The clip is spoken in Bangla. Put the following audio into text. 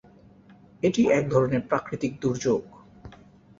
এটি এক ধরনের প্রাকৃতিক দুর্যোগ।